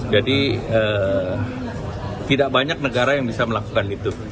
jadi tidak banyak negara yang bisa melakukan itu